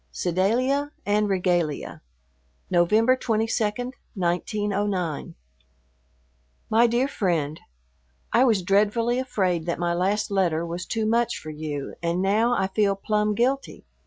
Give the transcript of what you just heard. V SEDALIA AND REGALIA November 22, 1909. MY DEAR FRIEND, I was dreadfully afraid that my last letter was too much for you and now I feel plumb guilty.